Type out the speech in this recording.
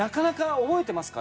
覚えてますか？